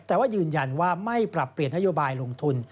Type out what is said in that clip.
แต่ว่ายืนยันว่าไม่ปรับเปลี่ยนนโยบายลงทุน